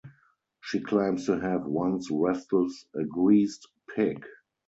She claims to have once wrestled a greased pig.